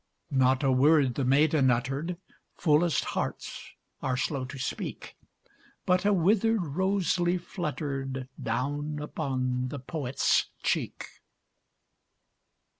Not a word the maiden uttered, Fullest hearts are slow to speak, But a withered rose leaf fluttered Down upon the poet's cheek.